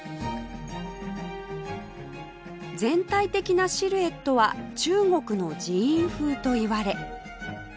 全体的なシルエットは中国の寺院風といわれ